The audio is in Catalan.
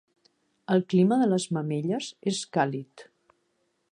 El clima de Les Mamelles és càlid.